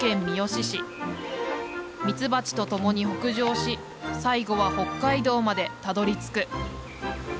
ミツバチと共に北上し最後は北海道までたどりつく。